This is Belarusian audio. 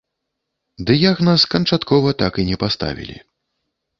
Дыягназ канчаткова так і не паставілі.